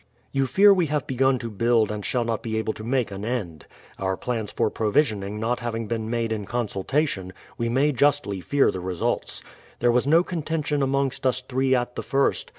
You fear we have begun to build and shall not be able to make an end. Our plans for provisioning not having been made in con sultation, we may justly fear the results. There was contention amongst us three at the first.